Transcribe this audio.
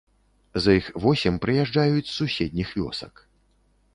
З іх восем прыязджаюць з суседніх вёсак.